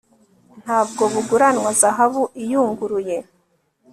nta bwo buguranwa zahabu iyunguruye